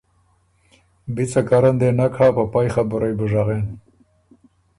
بی څه کر ان دې نک هۀ، په پئ خبُرئ بُو ژغېن